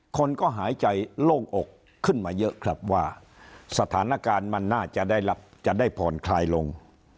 คนก็หายใจโล่งอกขึ้นมาเยอะครับว่าสถานการณ์มันน่าจะได้รับจะได้ผ่อนคลายลง